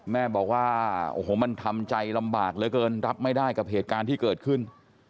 แม่บอกว่าโอ้โหมันทำใจลำบากเหลือเกินรับไม่ได้กับเหตุการณ์ที่เกิดขึ้น